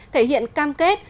thể hiện cam kết